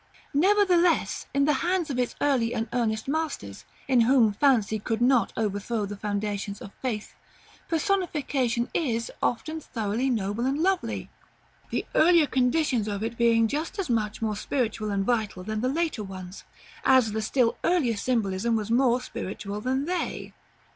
§ LVI. Nevertheless, in the hands of its early and earnest masters, in whom fancy could not overthrow the foundations of faith, personification is, often thoroughly noble and lovely; the earlier conditions of it being just as much more spiritual and vital than the later ones, as the still earlier symbolism was more spiritual than they.